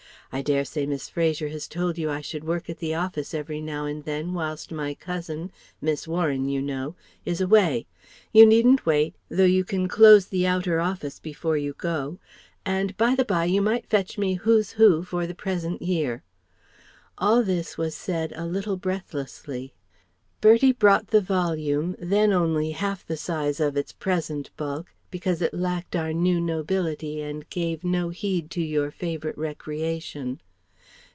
I dare say Miss Fraser has told you I should work in the office every now and then whilst my cousin Miss Warren, you know is away. You needn't wait, though you can close the outer office before you go; and, by the bye, you might fetch me Who's Who for the present year." All this was said a little breathlessly. Bertie brought the volume, then only half the size of its present bulk, because it lacked our new nobility and gave no heed to your favourite recreation.